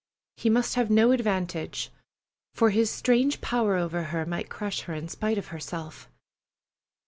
He must have no advantage, for his strange power over her might crush her in spite of herself.